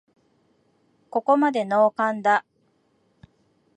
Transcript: ここまでノーカンだ